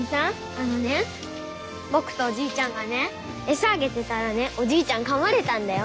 あのね僕とおじいちゃんがね餌あげてたらねおじいちゃんかまれたんだよ。